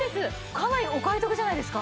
かなりお買い得じゃないですか？